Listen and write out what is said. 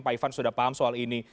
pak ivan sudah paham soal ini